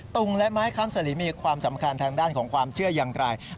ตุงและไม้ค้ำสลีมีความสำคัญทางด้านของความเชื่ออย่างไร